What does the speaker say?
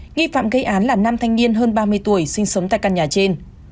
nghi phạm gây án là nam thanh niên hơn ba mươi tuổi sinh sống tại căn nhà trên